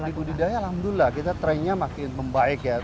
kalau di budidaya alhamdulillah kita trainnya makin membaik ya